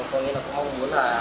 có nghĩa là có mong muốn là